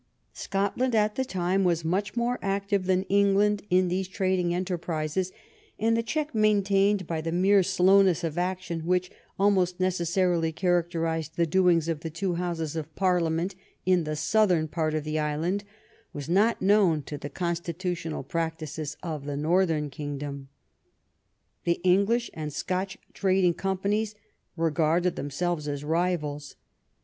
Scotland at the time was much more active than England in these trading enterprises, and the check maintained by the mere slowness of action which al most necessarily characterized the doings of the two Houses of Parliament in the southern part of the island was not known to the constitutional practices of the northern kingdom. The English and Scotch trading companies regarded themselves as rivals.